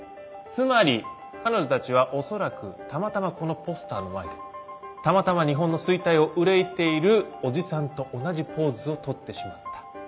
つまり彼女たちはおそらくたまたまこのポスターの前でたまたま日本の衰退を憂いているおじさんと同じポーズをとってしまった。